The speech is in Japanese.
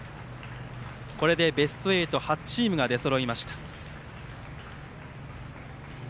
これでベスト８８チームが出そろいました。